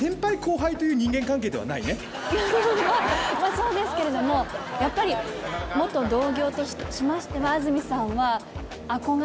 そうですけれどもやっぱり元同業としましては安住さんはそうですか？